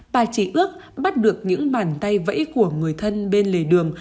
bà chỉ ước bắt được những bàn tay vẫy của người thân bên lề đường